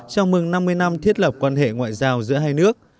chào mừng năm mươi năm thiết lập quan hệ ngoại giao giữa hai nước